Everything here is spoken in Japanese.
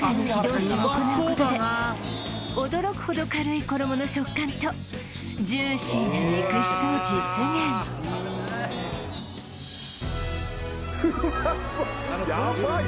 おしを行うことで驚くほど軽い衣の食感とジューシーな肉質を実現うまそっ！